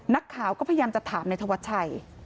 นักข่าวก็พยายามจะถามนายธวัชชัย